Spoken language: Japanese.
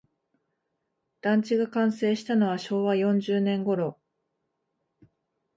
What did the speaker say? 団地が完成したのは昭和四十年ごろ